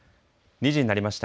２時になりました。